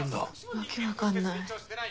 訳わかんない。